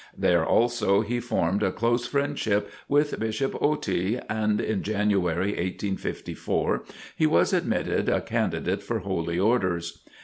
There also he formed a close friendship with Bishop Otey, and in January, 1854, he was admitted a candidate for Holy Orders.